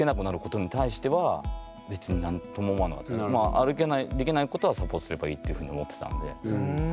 歩けないできないことはサポートすればいいというふうに思ってたので。